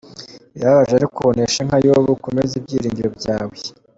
Birababaje ariko uneshenka Yobu, ukomeze ibyiringiro byawe.